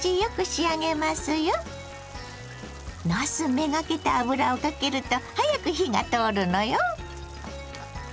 なす目がけて油をかけると早く火が通るのよ。